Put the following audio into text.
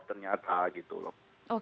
ternyata gitu loh